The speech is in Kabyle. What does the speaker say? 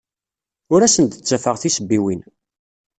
Ur asen-d-ttafeɣ tisebbiwin.